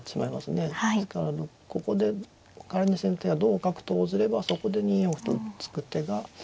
ですからここで仮に先手が同角と応じればそこで２四歩と突く手が。